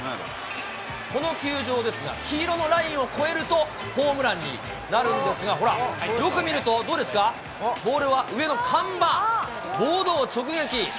この球場ですが、黄色のラインを越えるとホームランになるんですが、ほら、よく見るとどうですか、ボールは上の看板、ボードを直撃。